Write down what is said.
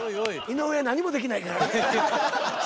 井上何もできないからね！